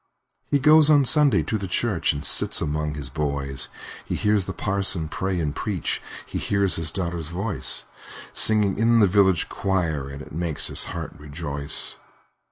He goes on Sunday to the church, And sits among his boys; He hears the parson pray and preach, He hears his daughter's voice, Singing in the village choir, And it makes his heart rejoice.